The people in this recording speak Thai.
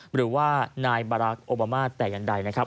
หรือว่านายบารักษ์โอบามาแต่อย่างใดนะครับ